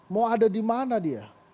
mau ada di mana dia